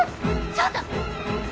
ちょっと！